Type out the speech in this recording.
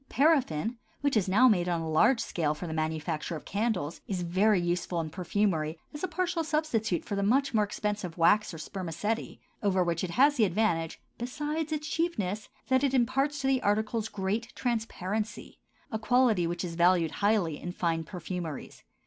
Paraffin, which is now made on a large scale for the manufacture of candles, is very useful in perfumery as a partial substitute for the much more expensive wax or spermaceti, over which it has the advantage, besides its cheapness, that it imparts to the articles great transparency—a quality which is valued highly in fine perfumeries.